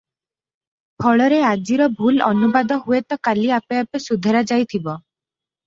ଫଳରେ ଆଜିର ଭୁଲ ଅନୁବାଦ ହୁଏତ କାଲି ଆପେ ଆପେ ସୁଧରାଯାଇଥିବ ।